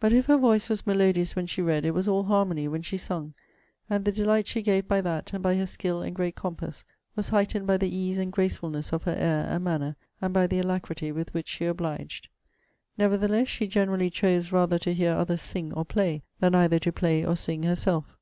But if her voice was melodious when she read, it was all harmony when she sung. And the delight she gave by that, and by her skill and great compass, was heightened by the ease and gracefulness of her air and manner, and by the alacrity with which she obliged. Nevertheless she generally chose rather to hear others sing or play, than either to play or sing herself.